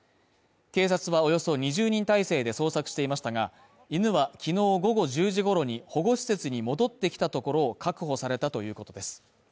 警察はおよそ２０人態勢で捜索していましたが、犬はきのう午後１０時ごろに保護施設に戻ってきたところを確保されたということです。